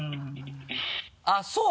あっそう。